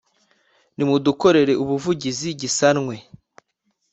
nimudukorere ubuvugizi gisanwe